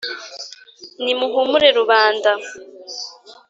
“nimuhumure rubanda,